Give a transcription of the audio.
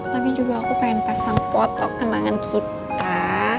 lagian juga aku pengen pasang foto kenangan kita